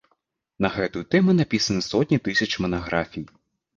На гэтую тэму напісаны сотні тысяч манаграфій.